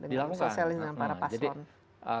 dengan sosialisasi para paslon